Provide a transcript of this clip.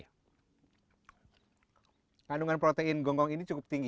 kandungan protein gonggong ini cukup tinggi